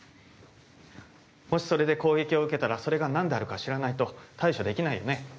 もしそれで攻撃を受けたらそれが何であるか知らないと対処できないよね？